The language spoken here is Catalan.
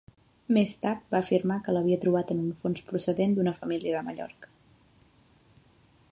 Més tard va afirmar que l'havia trobat en un fons procedent d'una família de Mallorca.